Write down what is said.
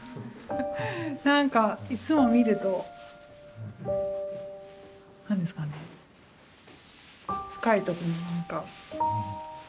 なんかいつも見ると何ですかね深いところになんか。